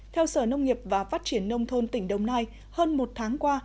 theo sở nông nghiệp và phát triển nông thôn tỉnh đồng nai hơn một tháng qua